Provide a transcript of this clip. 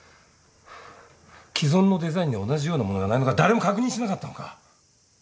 既存のデザインで同じようなものがないのか誰も確認しなかったのか？